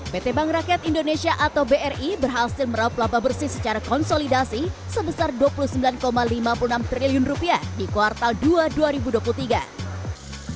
pt bank rakyat indonesia atau bri berhasil meraup laba bersih secara konsolidasi sebesar rp dua puluh sembilan lima puluh enam triliun rupiah di kuartal dua dua ribu dua puluh tiga